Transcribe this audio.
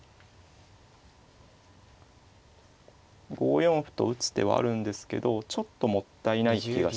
５四歩と打つ手はあるんですけどちょっともったいない気がしますね。